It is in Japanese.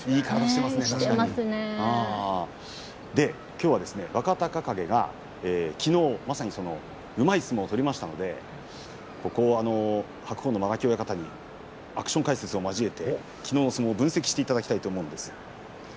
きょうは若隆景がきのうまさにうまい相撲を取りましたので白鵬の間垣親方にアクション解説を交えて分析していただきます。